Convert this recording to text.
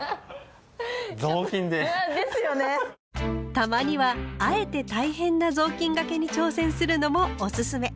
たまにはあえて大変な雑巾がけに挑戦するのもおすすめ。